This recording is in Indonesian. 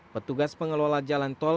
petugas pengelola jalan tol